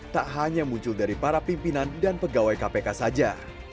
tak hanya muncul dari para pimpinan dan pegawai kpk saja